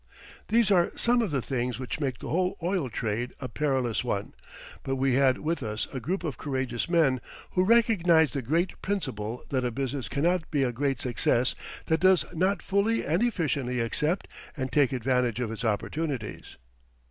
These are some of the things which make the whole oil trade a perilous one, but we had with us a group of courageous men who recognized the great principle that a business cannot be a great success that does not fully and efficiently accept and take advantage of its opportunities.